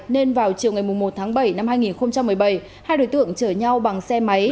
nên vào chiều ngày một tháng bảy năm hai nghìn một mươi bảy hai đối tượng chở nhau bằng xe máy